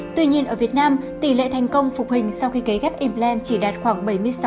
tuy nhiên ở việt nam tỷ lệ thành công phục hình sau khi cấy ghép ipland chỉ đạt khoảng bảy mươi sáu